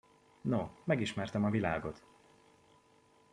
No, megismertem a világot!